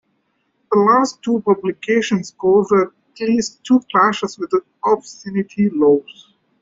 The last two publications caused at least two clashes with obscenity laws.